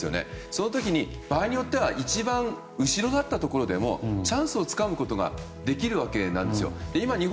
その時に場合によっては一番後ろだったところでもチャンスをつかむことができるわけなんですよ。